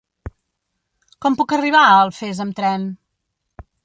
Com puc arribar a Alfés amb tren?